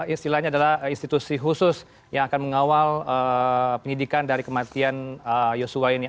istilahnya adalah institusi khusus yang akan mengawal penyidikan dari kematian yosua ini